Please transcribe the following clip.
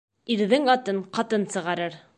Ирҙең атын ҡатын сығарыр